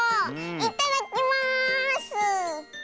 いただきます！